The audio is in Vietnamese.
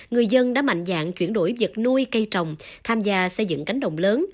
người dân đã mạnh dạng chuyển đổi vật nuôi cây trồng tham gia xây dựng cánh đồng lớn